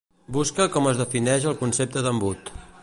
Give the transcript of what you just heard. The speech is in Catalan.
Busca com es defineix el concepte d'embut.